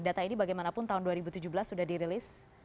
data ini bagaimanapun tahun dua ribu tujuh belas sudah dirilis